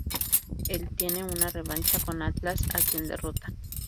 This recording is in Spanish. Él tiene una revancha con Atlas, a quien derrota.